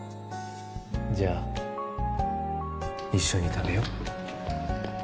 じゃあ一緒に食べよう